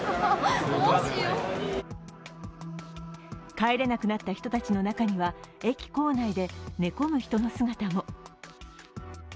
帰れなくなった人たちの中には、駅構内で寝込む人の姿も。